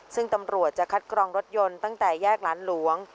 ซึ่งตำรวจจะคัดกรองรถยนต์ตั้งแต่แยกหลานหลวง